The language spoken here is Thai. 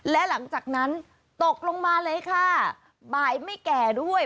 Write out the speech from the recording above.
และหลังจากนั้นตกลงมาเลยค่ะบ่ายไม่แก่ด้วย